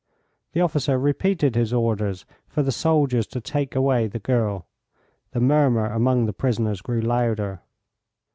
The officer repeated his orders for the soldiers to take away the girl. The murmur among the prisoners grew louder.